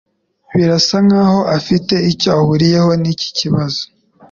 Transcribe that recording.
Birasa nkaho afite icyo ahuriyeho niki kibazo.